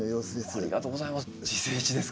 ありがとうございます。